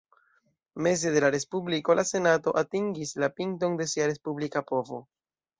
Meze de la Respubliko, la Senato atingis la pinton de sia respublika povo.